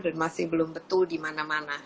dan masih belum betul dimana mana